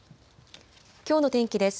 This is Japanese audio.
きょうの天気です。